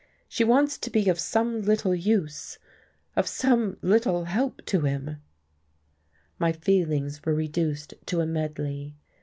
She wants to be of some little use, of some little help to him." My feelings were reduced to a medley.